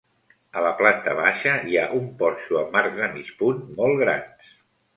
A la planta baixa hi ha un porxo amb arcs de mig punt molt grans.